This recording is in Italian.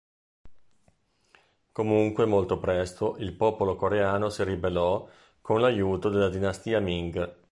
Comunque molto presto il popolo coreano si ribellò con l'aiuto della Dinastia Ming.